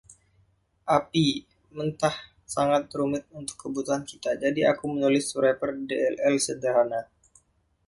API mentah sangat rumit untuk kebutuhan kita, jadi aku menulis wrapper DLL sederhana.